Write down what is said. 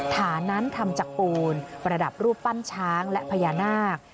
ฐานั้นทำจากปูนประดับรูปปั้นช้างและพญานาค